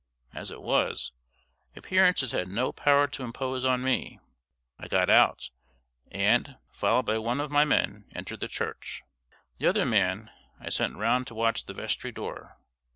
As it was, appearances had no power to impose on me. I got out, and, followed by one of my men, entered the church. The other man I sent round to watch the vestry door.